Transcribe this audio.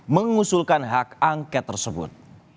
mengusulkan hak angket tersebut